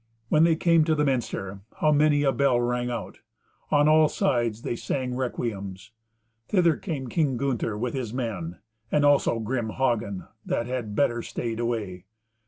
When they came to the minster, how many a bell rang out! On all sides they sang requiems. Thither came King Gunther with his men, and also grim Hagen, that had better stayed away.